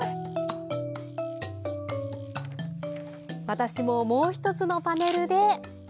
私ももう１つのパネルで。